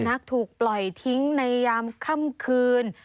นักถูกปล่อยทิ้งในยามค่ำคืน